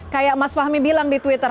kayak mas fahmi bilang di twitter